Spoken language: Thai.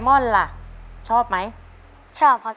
ต้นไม้ประจำจังหวัดระยองการครับ